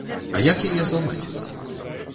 А як яе зламаць?